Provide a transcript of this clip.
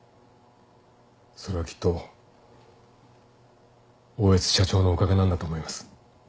それはきっと大悦社長のおかげなんだと思います。